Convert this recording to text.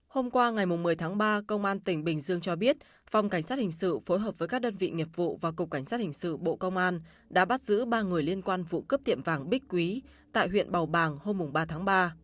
hôm qua ngày một mươi tháng ba công an tỉnh bình dương cho biết phòng cảnh sát hình sự phối hợp với các đơn vị nghiệp vụ và cục cảnh sát hình sự bộ công an đã bắt giữ ba người liên quan vụ cướp tiệm vàng bích quý tại huyện bảo bàng hôm ba tháng ba